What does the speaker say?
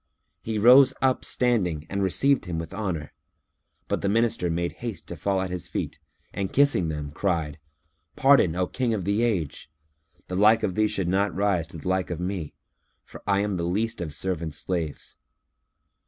He rose up standing and received him with honour; but the Minister made haste to fall at his feet and kissing them cried, "Pardon, O King of the Age! The like of thee should not rise to the like of me, for I am the least of servants' slaves.